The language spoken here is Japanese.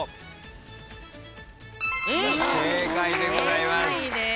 正解でございます。